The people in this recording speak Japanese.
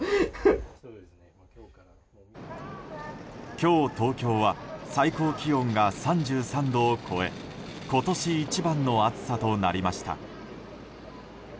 今日東京は最高気温が３３度を超え今年一番の暑さとなりました。